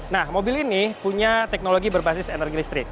nah mobil ini punya teknologi berbasis energi listrik